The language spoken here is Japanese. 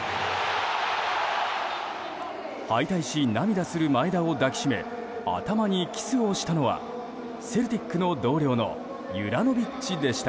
敗退し涙する前田を抱きしめ頭にキスをしたのはセルティックの同僚のユラノビッチでした。